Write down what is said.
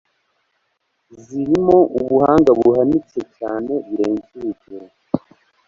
zirimo ubuhanga buhanitse cyane birenzurugero